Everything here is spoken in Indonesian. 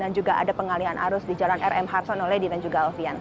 dan juga ada pengalian arus di jalan rm harsono di tanjung galvian